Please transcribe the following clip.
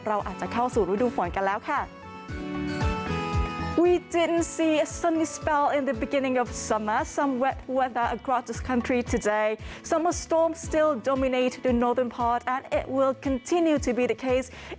เราอาจจะเข้าสู่ฤดูฝนกันแล้วค่ะ